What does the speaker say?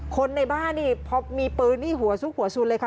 คนในบ้านนี่พอมีปืนนี่หัวซุกหัวสุนเลยค่ะ